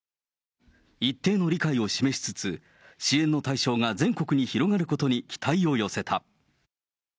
一定の理解を示しつつ、支援の対象が全国に広がることに期待を寄せた。